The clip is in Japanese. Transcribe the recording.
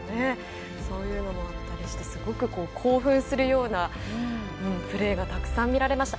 そういうのもあったりしてすごく興奮するようなプレーがたくさん見られました。